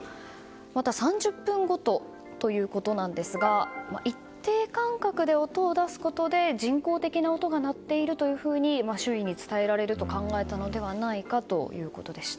また３０分ごとということなんですが一定間隔で音を出すことで人工的な音が鳴っていると周囲に伝えらえれると考えたのではないかということでした。